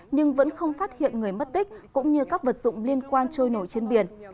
nhưng vẫn không phát hiện người mất tích cũng như các vật dụng liên quan trôi nổi trên biển